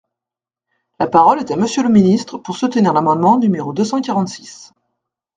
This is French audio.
La parole est à Monsieur le ministre, pour soutenir l’amendement numéro deux cent quarante-six.